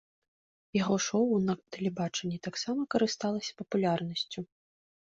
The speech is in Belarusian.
Яго шоў на тэлебачанні таксама карысталася папулярнасцю.